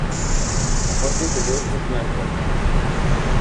Su parte inferior es blanca.